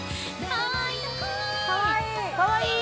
かわいい！